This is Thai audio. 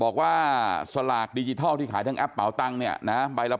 บอกว่าสลากดิจิทัลที่ขายทั้งแอปเป่าตังเนี่ยนะใบละ